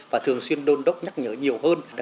và thường xuyên đôn đốc nhắc nhở nhiều hơn